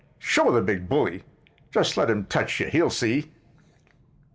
"Show the big bully!" "Just let him touch you—he'll see!"